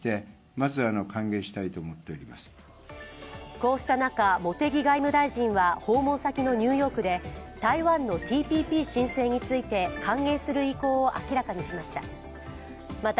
こうした中、茂木外務大臣は訪問先のニューヨークで台湾のＴＰＰ申請について歓迎する意向を明らかにしました。